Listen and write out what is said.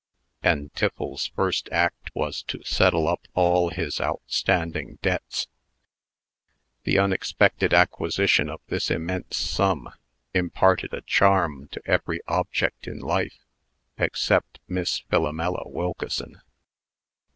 And Tiffles's first act was to settle up all his outstanding debts. The unexpected acquisition of this immense sum imparted a charm to every object in life except Miss Philomela Wilkeson.